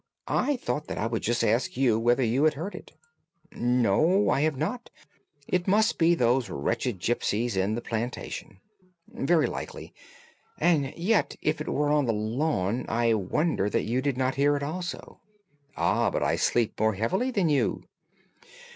I thought that I would just ask you whether you had heard it.' "'No, I have not. It must be those wretched gipsies in the plantation.' "'Very likely. And yet if it were on the lawn, I wonder that you did not hear it also.' "'Ah, but I sleep more heavily than you.